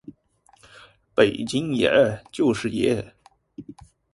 北京爷，就是爷！